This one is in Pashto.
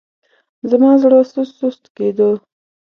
زما زړه سست سست کېدو.